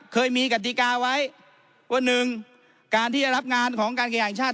เคยมีกติกาไว้ว่า๑การที่จะรับงานของการแข่งชาติ